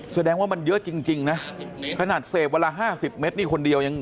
แสดงว่ามันเยอะจริงนะขนาดเสพวันละ๕๐เมตรนี่คนเดียวยัง